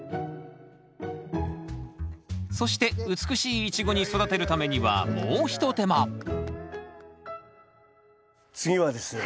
そして美しいイチゴに育てるためにはもうひと手間次はですね